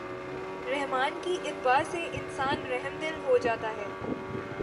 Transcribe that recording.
رحمٰن کی اتباع سے انسان رحمدل ہو جاتا ہے۔